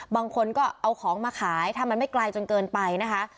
บางคนก็เอาของมาขายถ้ามันไม่ไกลจนเกินไปนะคะ